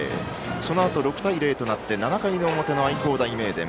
そのあと６対０となって７回表の愛工大名電。